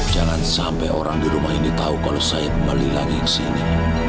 jangan sampai orang di rumah ini tahu kalau said melilangi kesini